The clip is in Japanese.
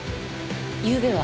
ゆうべは？